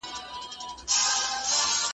طبیب وکتل چي ښځه نابینا ده .